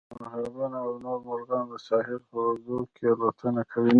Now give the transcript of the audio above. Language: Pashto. عقابونه او نور مرغان د ساحل په اوږدو کې الوتنه کوي